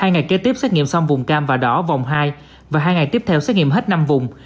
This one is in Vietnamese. hai ngày kế tiếp xét nghiệm xong vùng cam và đỏ vòng hai và hai ngày tiếp theo xét nghiệm hết năm vùng